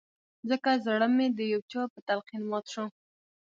ځکه زړه مې د يو چا په تلقين مات شو